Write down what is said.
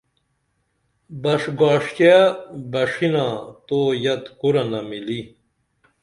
بش گاݜٹیہ بݜینا تو یت کورنہ مِلی